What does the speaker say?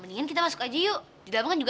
renggaknya aku taruh di seari naik ringgik